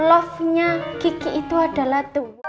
love nya kiki itu adalah tuh